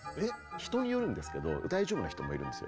人によるんですけど大丈夫な人もいるんですよ。